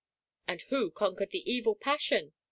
"And who conquered the evil passion?"